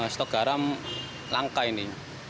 stok garam langka ini